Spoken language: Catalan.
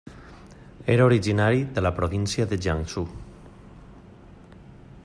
Era originari de la província de Jiangsu.